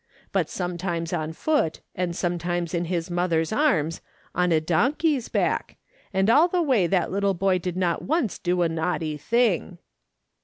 but some times on foot, and sometimes in his mother's arms, on a donkey's back, and all the way that little boy did not once do a naughty thing."